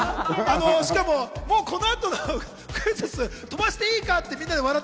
もうこの後、クイズッス飛ばしていいか？って